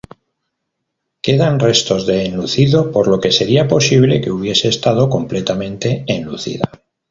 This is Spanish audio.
Quedan restos de enlucido por lo que sería posible que hubiese estado completamente enlucida.